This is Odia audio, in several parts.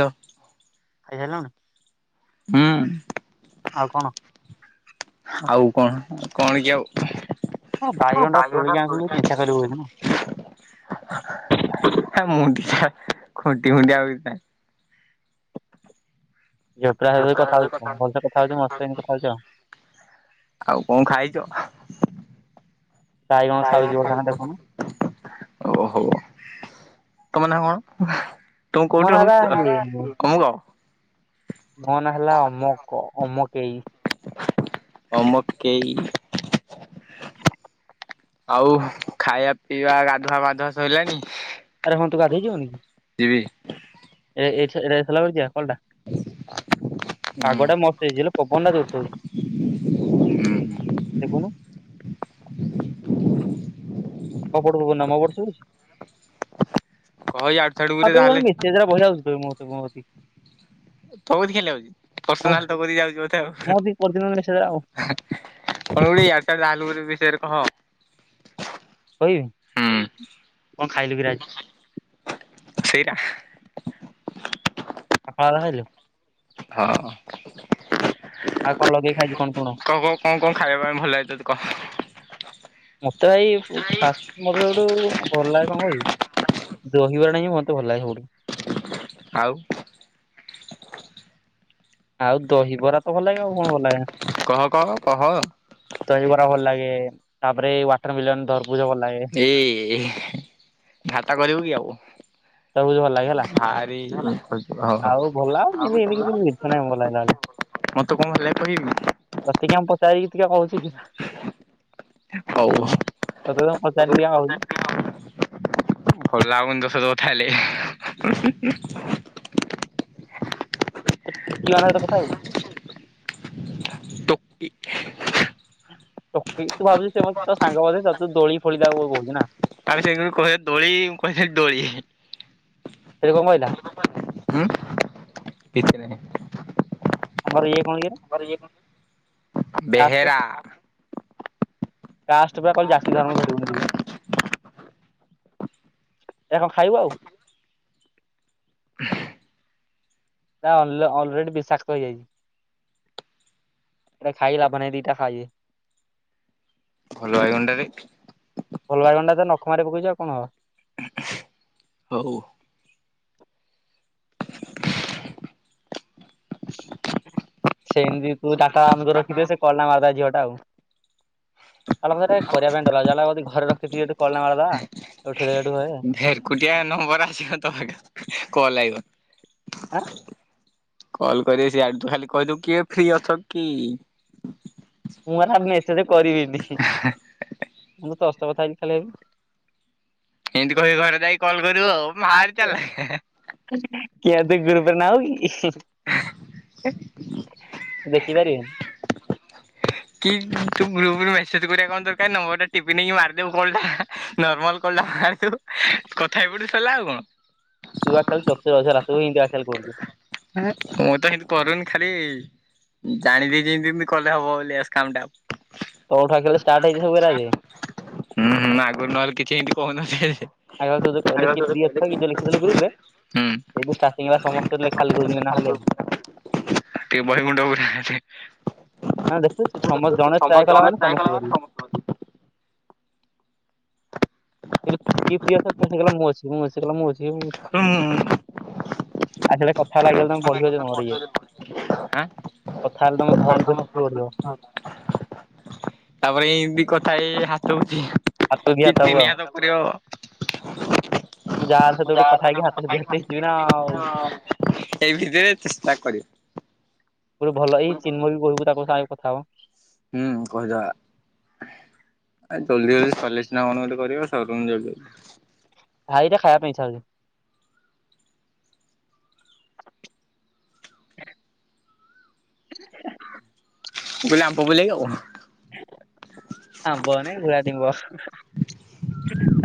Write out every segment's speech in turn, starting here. ତ ହୁଁ ଆଉ କଣ? ଆଉ କଣ କଣ କି ଆଉ ହଁ ବାଇଗଣ ଟା ତୋଳିକି ଆଣିଥିଲୁ ଚିନ୍ତା କରିବୁ ବୋଲି ନା। [inaudible] [inaudible] ମୁଣ୍ଡିଆ ଖୁଣ୍ଟି ମୁୁଣ୍ଡିଆ ବିଥାଏ। ଝିଅ ପିଲାଙ୍କ ସହିତ କଥା ହଉଛୁ ଭଲସ କଥା ହଉଛୁ ମୋ ସହିତ ଏମିତି କଥା ହଉଛୁ ଆଉ। ଆଉ କଣ ଖାଇଛ? ବାଇଗଣ ଖାଉଛି ଗୋଟେ ସାଙ୍ଗେ ଦେଖୁନୁ। ଓ ହୋ ତମେ କଣ? ତମ ମୋ କୋଉଠି ନାଁ ହେଲା ରହୁଛ? ଇଏ [inaudible] ମୋ ନା ହେଲା ଅମକ ଅମକେଇ ଅମକେଇ ଆଉ ଖାଇବା ପିଇବା ଗାଧୁଆ ପାଧୁଆ ସଇଲାଣି। ଆରେ ହଁ ତୁ ଗଧେଇଯିବୁନି କି? ଯିବି ଏ ଏ ଏଟା ସଲା ପରେ ଯିବା ଅଲଟା ହୁଁ ପାଗଟା ମସ୍ତ୍ ହେଇଛି ହେଲେ ପବନ ଟା ଜୋରସେ ହଉଛି। ଦେଖନୁ ଅପବ ମପ କହ ଇଆଡୁ ସିଆଡୁ ଗୁରେ ତାହେଲେ [unintelligible] ସେ ତାରା [inaudible] ତ କଦି କେମିତି ଲାଗୁଛି ପର୍ସନାଲ ତଗଧି ଯାଉଛି ବୋଧେ ମୋ ଆଉ କତିକି ପରଦିନ ମେସେଜ ଗୁରା ଆଉ କଣ ଗୁ ଟା ଲାଲ ପରି ବିଷୟରେ କହ। କହିବି ହୁଁ କଣ ଖାଇଲୁ କିରା ଆଜି। ସେଇଟା କଥା ହେଲୁ ହଁ ଆଉ କଣ ଲଗେଇ ଖାଇଛ ପୁଣି କ କ କଣ କଣ ଖାଇବା ପାଇଁ ଭଲ ଲଗେ ତୋତେ କହ। ମତେ ଭଇ ଫୁ ଫାଷ୍ଟ ଫୁଡ ସଠୁ ଭଲ ଲାଗେ କଣ କହିବି ଦହିବରା ଟା ହିଁ ମତେ ଭଲ ଲାଗେ ସବୁଠୁ। ଆଉ ଆଉ ଦହିବରା ତ ଭଲ ଲଗେ ଆଉ କଣ ଭଲଲଗେ କହ କହ କହ [inaudible] ତହିବରା କର ଭଲ ଲାଗେ, ତାପରେ ୱାଟର ମିଲନ ଧରପୁଜ ଭଲ ଲାଗେ ଏଇ ହି ଖାତା କରିବୁ କି ଆଉ ତରଭୁଜ ଭଲ ଲାଗେ ହେଲା ନା ରେ ଓ ଆଉ ଭଲ ଆଉ ଏମିତି ଏମିତି କିଛି ମିଛ ନାହିଁ ଭଲ ଲାଗିଲା ବେଳେ ମତେ କଣ ହେଲା କହିବି? ତତେ କିଆ ପଚାରିବି ତୁ କିଆ କହୁଚୁ ଟିକେ ରହ ହଉ ତତେ କଣ ପଚାରିଲି ଦେଖି କହିଲୁ। ଭଲ ଲାଗୁନି ତୋ ସହିତ କଥା ହେଲେ। ଟୋକି ମାନଙ୍କ ସହ କଥା ହେବୁ। [unintelligible] ଟକି [unintelligible] ଟକି ତୁ ଭାବୁଛୁ ସେ ମ ତ ସାଙ୍ଗ ବୋଧେ ତୁ ଦୋଳି ଫୋଳି ତାକୁ କହୁଛୁ ନା [unintelligible] ତାପି କ ଦୋଳି ମୁ କ ଦୋଳି ସେ କଣ କହିଲା [unintelligible] ହୁଁ କିଛି ନାହିଁ। ଆମର ଇଏ କଣ ଇଏ ତମର ୟେ କଣ କାଷ୍ଟ ବେହେରା କାଷ୍ଟ ବା କହିଲେ ଜାତି ଧର୍ମ ଧରିବୁନିି କିଛି ଏ କଣ ଖାଇବ ଆଉ? ହଁ। ତା ଅଲ୍ ଅଲରେଡି ବିଷାକ୍ତ ହେଇଯାଇଛି। ଏଇଟା ଖାଇ ଲାଭ ନାଇ ଦିଟା ଖାଇ ଭଲ [unintelligible] ବାଇଗଣଟାରେ ଫଲବାଗଣ୍ଡା ତ ନଖମାରେ ପକେଇଛି ଆଉ କଣ ହବ? ହଉ। ସେମିତି ତୁ ଡାଟା ଓନ୍ କରିରଖି ଥିବୁ ସେ [unintelligible] କିଲ ମାରଦବ ଝିଅ ଟା ଆଉ [unintelligible] ତା ମେ ଟେ କରିବା ପାଇଁଡାି ଘରେ ରଖିଠି କ ମଠିଠୁ ହୁଏ [unintelligible] ଏ ନମ୍ବର ଆସିବ ତମେ କଲ୍ ଆଇିବ ଆଁ କଲ କରେ ସି ଆଡୁ ଖାଲି କହିଦେବୁ କିଏ ଫ୍ରି ଅଛ କି? ମୁଁ [unintelligible] ହାରା ମେସେଜ କରିବିନିନି ମୁ [unintelligible] ତସ୍ତ କଥା ହେଇଛି ଖାଲି ହେବି ଏମିତି କହି ଘରେ ଯାଇକି କଲ୍ କରିବୁ ଆଉ ବାହାରି ଚାଲାଖ୍ ହେଁ ହେଁ [unintelligible] କେବେ କେବେ ନାଉ। [unintelligible] [inaudible] କି ତୁ ଦେଖିପାରିବେନି ଗ୍ରୁପ୍ ରେ ମେସେଜ୍ କରିବା କଣ ଦରକାର ନମ୍ବର ଟା ଟିପନ୍ କୁ ମାରିଦଉ କଲଟା ନର୍ମାଲ କଲଟା ମାରିଦଉ କଥା ଏପଟେ ସରିଲା ଆଉ କଣ? [unintelligible] ତୁ ଆସା ଚୁସଲାୁ ଆସା କରୁ। [unintelligible] ମୁଁ ତ ଏମତି କରୁନି ଖାଲି ଜାଣିଦେ [unintelligible] ଯେମତିମତି କଲେ ହବ ବୋଲି କାମ ଟା [unintelligible] ତଉଠ ଖେ ଷ୍ଟାର୍ଟଇଛି ସବୁରେ ଯେ। [unintelligible] ହୁଁ ହୁଁ ଆଗରୁ ନହେଲେ କିଛି ଏମତି କହୁନଥିଲେ ହେ ହେ ଆ ତ ଯ କହିଲେ କିଏ ଫ୍ରୀ ଅଛକି ଯୋଉ ଲେଖିଥିଲ ଗ୍ରୁପ ରେ ହୁଁ ସେଉଠୁଁ ଷ୍ଠାଟିଙ୍ଗ୍ ହେଲା ସମସ୍ତେ ଲେଖି ଖାଲି [unintelligible] ଧୋଇ ନା [unintelligible] ବଇଗୁଣ୍ଡ ଉପରେ ହଁ ଦେଖୁଛୁ ସମସ୍ତ ଜଣେ ଟ୍ରାଏ କଲା ମାନେ ସମସ୍ତେ କରିବେ କିଏ ଫ୍ରି ଅଛ ସେ କହିଲା ମୁଁ ଅଛି ମୁଁ ଅଛି ସେ କହିଲା ମୁଁ ଅଛି ହୁଁ। ଆ ସେ କଥା ଲାାଗି ଗଲେ ତମେ [unintelligible] ପଢିବଛର ଇଏ କଥା ହେଲେ ତମେ ଧର୍ଯ୍ୟ ହଁ। ତାପରେ ଏମତି କଥା ହେଇ ଏଇ [unintelligible] ହସଉଛି ହାତକୁ ଦି କିି ହାତ ହବ ଆଉ ତିନିହାତ। କରିହେବ। ମୁଁ ଯାହାର ସହିତ ଗୋଟେ କଥା [inaudible] ହେଇକି ହାତକୁ ଦି ହାତ ହେଇଯିବି ନା ଆଉ। ଏଇ ଭିତରେ ଚେଷ୍ଟା କରିବ। ଗୋଟେ ଭଲ ଏଇ ଚିନ୍ମୟ ବି କହିବୁ ତାଙ୍କ ସାଙ୍ଗେ କଥା ହବ। ହୁଁ କହିଦବା। ଆ ଜଲଦି ଜଲଦି ସରିଲେ ସିନା କଣ ଗୋଟେ କରିବା [unintelligible] ଜଦି ଭାଇଟା ଖାଇବା ପାଇଁ ଇଚ୍ଛା ହେଉଛି। [inaudible] [unintelligible] ବ ଆମ୍ବ ବୁଲ କ। [unintelligible] ଆମ୍ୱ ନା ଘୋଡ଼ା! ! ! ! ! ! ! ! ! !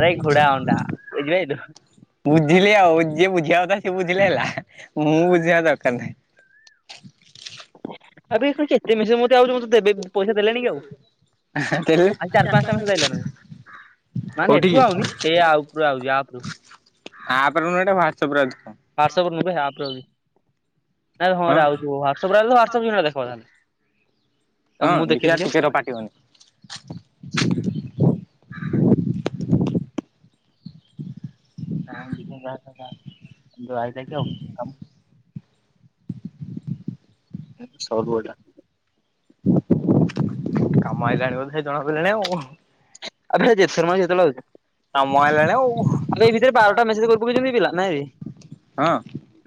ଆରେଇ ଘୋଡ଼ା ଅଣ୍ଡା ବୁଝି ପାରିଲୁ। ବୁଝିଲି ଆଉ ଯିଏ ବୁଝିବା କଥା ସେ ବୁଝିଲେ ହେଲା ମୁଁ ବୁଝିବା ଦରକାର ନାହିଁ। [unintelligible] ଆବେ ତେ ମିଶ ମତେ ଆତେ ଦେ [unintelligible] ପଇସା ଦେଲେଣି କି ଆଉ ଦେଲେ ଆ ଚାର ପାଞ୍ଚ ଟା ମାସ [unintelligible] ଯାଇିଲ ନେ। [unintelligible] ମାନେ କୋଉଠିକି ଏଠୁ ଆଉନି ଏ ଆଉ ପ ଆଉ ଯାହା ପରୁ। ହଁପଣ ମୁଁ ୱେଟ୍ସ ରେ ଅଛି। ତ। ହାଟ୍ସପ୍ ନେବେ ଆପ ରେବି ଅଛି। ନାଇଁ ହଁ। ଆଉଛି ହାଟସପଟସପ୍ ଦେଖେ। ହଁ ଦେଖିବା ଦେଖିଆ। ଟିକେଟ ର ପାଟିିବନି। ହଁଖୁ ଆକ ହଉ କ। ସବୁ ଗଡା। କାମ ହେଇଲାଣି ବୋଧ ଜଣାପଡ଼ିଲାଣି ଆଉ। ଅଭିିଜିତ ଶର୍ମା ଜତଲ ହଉଛି। କାମ ଆଇଲାଣି ଆଉ ଆଗ ଏଇ ଭିତରେ ବାରଟା ମେସେଜ କର ଯେମତି ପିଲା ନାଇ। ହଁ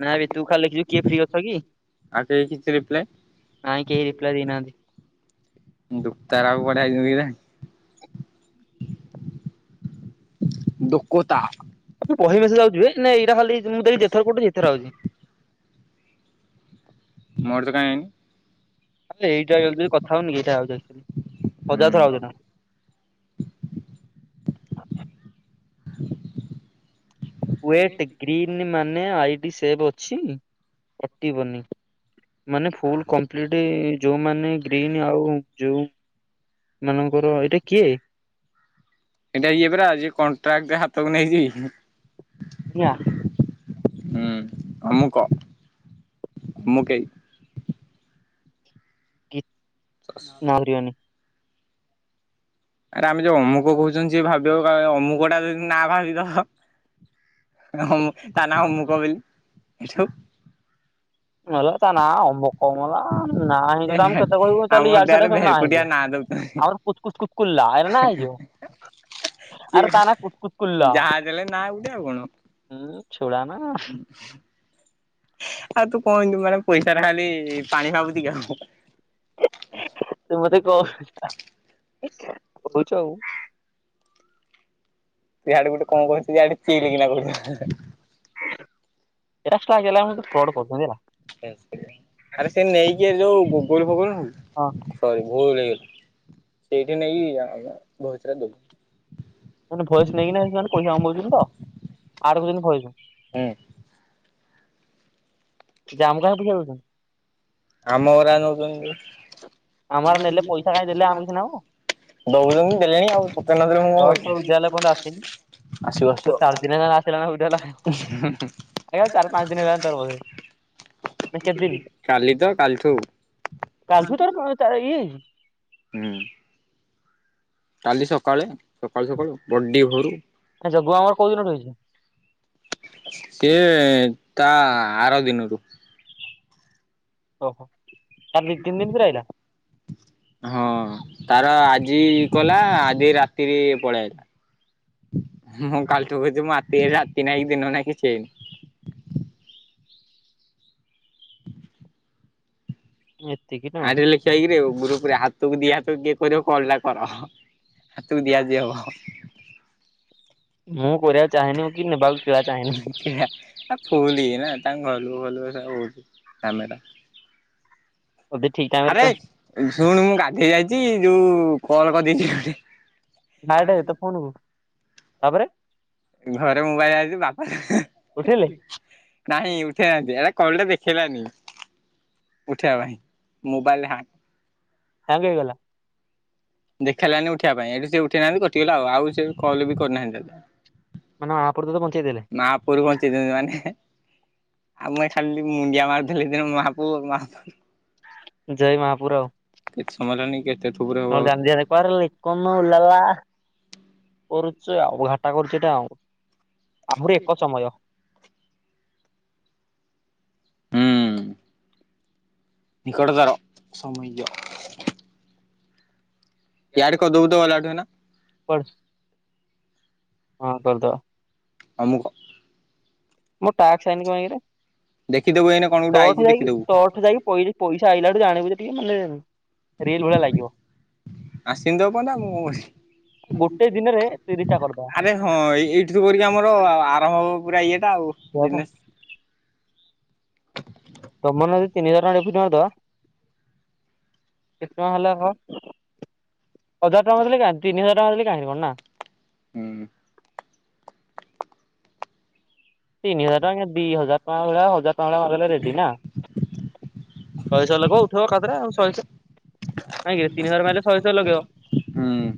ନାଇଁ ଏ ତୁ ଖାଲି ଲେଖିଛୁ କିଏ ଫ୍ରି ଅଛ କି ଆଉ କେହି କିଛି ରିପ୍ଲାଏ ନାଇଁ କେହି ରିପ୍ଲାଏ ଦେଇନାହାନ୍ତି। ଦୁପ ତାର ଆକୁ ପଡଆଯଇ କି। ଦୋକତା। ଆ ବହି ମିଶି ଯାଉଛ ଏ ଏଇଟା ଖା ମୁଁ ଦେଖିଥର କୋଠି ଯେଥର ଆଉଛି। ମୋର ତ କାଈ। ଆ ଏଇଟା କଥା ହଉନି ଏଇଟା ଆଉ ହୁଁ। ହଜାର ଥର ହଉଛି। ୱେଟ୍ ଗ୍ରୀନ୍ ମାନେ ଆଇଡି ସେଭ୍ ଅଛି କଟିବନି। ମାନେ ଫୁଲ କମ୍ପ୍ଲିଟ ଯୋଉମାନେ ଗ୍ରୀନ୍ ଆଉ ଯୋଉ। ମାନଙ୍କର ଏଇଟା କିଏ ଏଇଟା ଇଏ ପରା ଯିଏ କଣ୍ଟ୍ରାକ୍ଟ ଟେ ହାତକୁ ନେଇଛି ଆଜ୍ଞା ହୁଁ ଆମ କୁ କଣ ମୁଁ କେହି କି [inaudible] ଆରେ ଆମେ ଯୋଉ ଅମୁକ କହୁଛନ୍ତି ସିଏ ଭାବିବ ଅମୁକ ଟା ଯଦି ନା ଭାବିବ ତ ହଁମ ତା ନା ଅମୁକ ବୋଲି ନହେ ତା ନା ଅମୁକ ମଲା ନା ହେ ଆମେ କେତେ କହିବୁ ଆମ ତାହେଲେ ୟଡେ ଦେହରେ ସଆଡେ ସବୁ ନା ଭେରକୁଟିଆ ହେଇଯ ନାଁ ଦଉଛନ୍ତି। ଆର କଛ କୁଛ କୁଛ କୁଲଲା ଏରେ ନା ହେଇଯିବ ଆରେ ତା ନା କୁତକୁତକୁଲ କିଏ ଯାହା ଦେଲେ ନା ଗୋଟେ ଆଉ କଣ ହୁଁ ଚଛୋଡ଼ ନା ଆଉ ତୁ କହନ୍ତୁ ମାନେ ପଇସା ଟା ଖାଲି ପାଣି ଭାବୁଛି କାମ ତ ମତେ କହୁ କହୁଛ ଆଉ ଯାଆଡେ ଗୋଟେ କଣ କହୁଛି କେଜାଣି ଯାଆଡେ ଚେଇ କିନା କରୁଛ ଏସ ଟା ଗଲା ତୁ କ୍ରଡ଼ କରଛଲା। ଆରେ ସେ ନେଇକି ଯୋଉ ଗୁଗଲ ଫୋଗୋଲ ହଉ। ହଁ। ସରି ଭୁଲ ହେଇଗଲା ସେଇଠି ନେଇକି ଆମେ ଭୋଏସ ଟା ଦବୁ ସେ ଭଏସ ନେଇକିନା ସେମାନେ କହିବା କହିଛନ୍ତି ତ ଆଡ କଲେ କହିବୁ ହଁ ଯେ ଆମକୁ କାହିଁ ପଇସା ଦଉଛନ୍ତି ଆମ ହଇରାଣ ହଉଛନ୍ତି ଯୋଉ ଆମର ନେଲେ ପଇସା ଖାଇ ଦେଲେ ଆମ କିଛି ନାହୁଁ ଦଉଚନ୍ତି ଦେଲେଣି ଆଉ ତତେ ନଦେଲେ ମୁଁ ତର ତ କଣ ଉଜାଲେ ଏପର୍ଯ୍ୟନ୍ତ ଆସିନି କରିବି। ଆସିବ ତ ଆସିବ ଚାର ଦିନ ହେଲା ଆସିଲାଣି ହେଲା ଏୟୀ ଚାର ପାଞ୍ଚ ଦିନ ହେଲାଣି ତାର ବୋଧେ ନା କେତେ ଦିନ କାଲି ତ କାଲିଠୁ ତାର ହୁଁ କାଲି ସକାଳେ ସକାଳୁ ସକାଳୁ ବଡ଼ି ଭୋରୁ ଜଗୁ ଆମ କଉ ଦିନଠୁ ହେଇଛି ସିଏ ତା ଆର ଦିନରୁ ଓହୋ ତାର ଦିଇ ତିନି ଦିନିତରେ ରହିଲା ହଁ ତାର ଆଜି କଲା ଆଜି ରାତିରେ ପଳେଇଲା ମୁଁ କାଲିଠୁ କହିଛି ମତି ରାତି ନାଁ ଦିନ ନାଇ କିିଛି ନାଇଁ ଏତିକି ଟଙ୍କା ଆଠ ଲେଖିଇକିରେ ଗ୍ରୁପରେ ହାତକୁ ଦିଆ ହାତ କିଏ କରିବ କଲ ଟା କର ହାତକୁ ଦିଆ ଯେ ହବ ମୁଁ କରିବାକୁ ଚାହଁନି କି ନେବାକୁ ପିବା ଫୁଲ ଚାହେଁନି [unintelligible] ଆରେ ଯଦି ଠିକ ଟାଇମରେ ଶୁଣୁ ମୁଁ ଗାଧେଇ ଯାଇଛି ଯୋଉ କଲ କରିଦେଇଛି ଗୋଟେ ଥା ଏଟେ ଏତେ ଫନ କରୁଛୁ ତାପରେ ଘରେ ମୋବାଇଲ ଆସିଛି ବାପା ଉଠେଇଲେ ନାହିଁ ଉଠେଇ ନାହାନ୍ତି ଏଟା କଲ ଟା ଦେଖେଇଲାନି ଉଠେଇବା ପାଇଁ ମୋବାଇଲରେ ହାଙ୍ଗ ହେଇଗଲା ଦେଖେଇଲାନି ଉଠିବା ପାଇଁ ଏଇଠୁ ସେ ଉଠେଇନାହାନ୍ତି କଟିଗଲା ଆଉ ସେ କଲ ବି କରିୁନାହାନ୍ତି ଦା ମାନେ ମହାପୁରୁ ତତେ ବଞ୍ଚେଇ ଦେଲେ ଉପରୁ ପହଞ୍ଚେଇ ଦ ମାନେ ଆଉ ମୁଇ ଏ ଖାଲି ମୁଣ୍ଡିଆ ମାରିଦେଲି ଦିନ ମହାପୁଭ ମହାପ ଜୟ ମହାପୁର ଆଉ ଏତେ ସମୟ ହେଲାଣି ଥୁବୁରେ ହବ ମୋ ଆହୁରି ଗଞ୍ଜିଆରେ କୂଅରେ ଲେ କଣ ଲାଲା ଘାଟା କରୁଛୁ ଆଉ ଆମର ଏକ ସମୟ ହୁଁ ନିକଟତର ସାମଜ ଇଆଡେ କ କରିଦବୁ ଦ ତ ଗଲାଠୁ ଏଇନା ପ ହଁ କରିଲଦ ଆମକୁ ମୋ ଟାକ୍ାଇନି କରେ ଦେଖିଦବୁ ଏଇନେ କଣ ଗୋଟେ ଆଇଛି ତଠ ଯାଇକି ଦେଖିଦବୁ ତଠ ଯାଇକି କହିଲି ପଇସା ଆଇଲାା ବଠୁ ଜାଣିବୁ ଟିକେ ମାନେ ରେଲ ଭଳିଆ ଲାଗିବ ଆସିିବ ନା ମୁଁ ଗୋଟେ ଦିନରେ ତିରିଶଟା କରିଦବା ଆରେ ହଁ ଏ ଏଇଠିୁ କରିକି ଆମର କମ ହବ ପୁରା ଇଏଟା ଆଉ ଦେଖ ବିଜନେସ୍ ତମର ନଦି ତିନି ହଜାର ଟଙ୍କା ଫୁ ତ କେତେ ଟଙ୍କା ହେଲେ ହଜାର ଟାଲୋ ତିନିଜାର ଟା ଦେଲେ କାଁିବ ନା ହୁଁ ତିନ ହଜାର ଟଙ୍କା ଦି ହଜାର ଟଙ୍କା ହଜାର ଟଙ୍କା ରେ ଗଲେ ରେଡିି ନା ଶହେ ଶହ ଲଗେଇ ଉଠେଇବ କାାତରେ ଆ ଶହେ ଶହ କାହିଁକି ତିନି ହଜାର ମାରିଲେ ଶହେ ଶହ ଲଗେଇବ ହୁଁ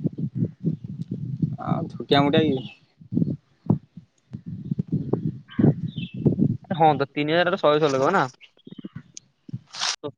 ଆଉ ୋଟିଆ ମୁୋଟା ହଁ ତ ତିନି ହଜାର ଟା ଶହେ ଶହ ଲେଖ ନା ତ